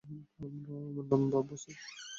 আমার নাম বাবু, স্যার।